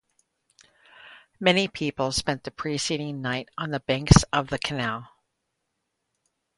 Many people spent the preceding night on the banks of the canal.